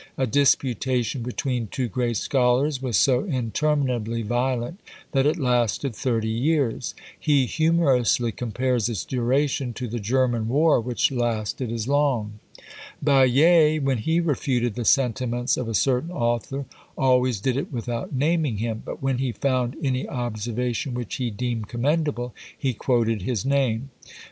A disputation between two great scholars was so interminably violent, that it lasted thirty years! He humorously compares its duration to the German war which lasted as long. Baillet, when he refuted the sentiments of a certain author always did it without naming him; but when he found any observation which, he deemed commendable, he quoted his name.